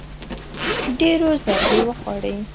ډېرو ضربې وخوړې